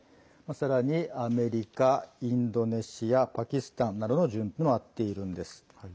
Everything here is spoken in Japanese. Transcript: さらにアメリカ、インドネシアパキスタンなどの順となっているんです。